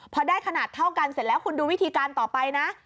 พอได้ขนาดเท่ากันเสร็จแล้วคุณดูวิธีการต่อไปนะ